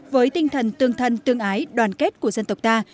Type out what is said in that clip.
với tinh thần tương thân tương ái đoàn kết của dân tộc ta